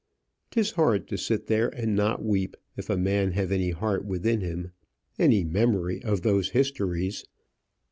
'Tis hard to sit there and not weep, if a man have any heart within him, any memory of those histories.